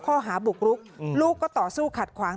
ข้อหาบุกรุกลูกก็ต่อสู้ขัดขวาง